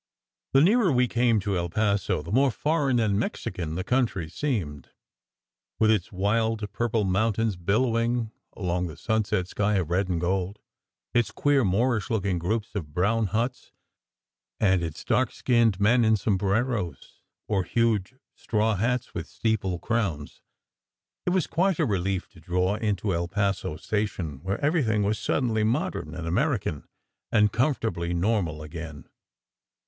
The nearer we came to El Paso, the more foreign and Mexican the country seemed, with its wild purple moun tains billowing along the sunset sky of red and gold; its queer, Moorish looking groups of brown huts, and its dark skinned men in sombreros or huge straw hats with steeple crowns. It was quite a relief to draw into El Paso station where everything was suddenly modern and Amer ican, and comfortably normal again.